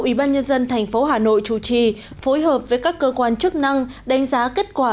ủy ban nhân dân tp hà nội chủ trì phối hợp với các cơ quan chức năng đánh giá kết quả